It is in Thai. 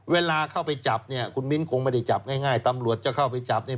เวลาเข้าไปจับเนี่ยคุณมิ้นคงไม่ได้จับง่ายตำรวจจะเข้าไปจับเนี่ย